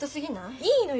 いいのよ。